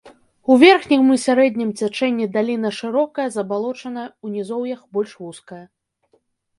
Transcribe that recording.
У верхнім і сярэднім цячэнні даліна шырокая забалочаная, у нізоўях больш вузкая.